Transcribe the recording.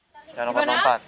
jalan lewat tempat ya